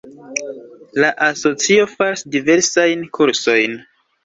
La asocio faras diversajn kursojn.